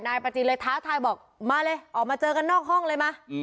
ประจีนเลยท้าทายบอกมาเลยออกมาเจอกันนอกห้องเลยมา